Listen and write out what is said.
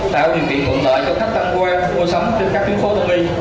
tạo điều kiện cộng đoại cho khách tăng quan mua sống trên các tuyến phố đông y